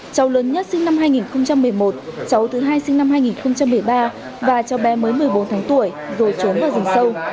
cháu lớn nhất sinh năm hai nghìn một mươi một cháu thứ hai sinh năm hai nghìn một mươi ba và cháu bé mới một mươi bốn tháng tuổi rồi trốn vào rừng sâu